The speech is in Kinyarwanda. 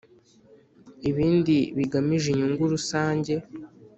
ibindi bigamije inyungu rusange .